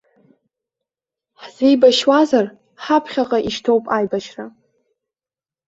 Ҳзеибашьуазар, ҳаԥхьаҟа ишьҭоуп аибашьра.